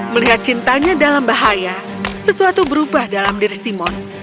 melihat cintanya dalam bahaya sesuatu berubah dalam diri simon